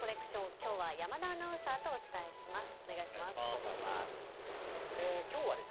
きょうは山田アナウンサーとお伝えします。